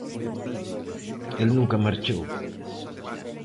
El nunca marchou.